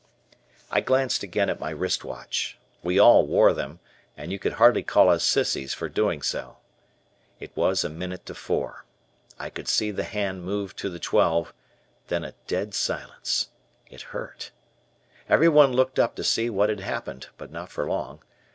I glanced again at my wrist watch. We all wore them and you could hardly call us "sissies" for doing so. It was a minute to four. I could see the hand move to the twelve, then a dead silence. It hurt. Everyone looked up to see what had happened, but not for long.